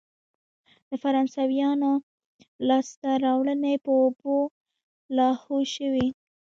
د فرانسویانو لاسته راوړنې په اوبو لاهو شوې.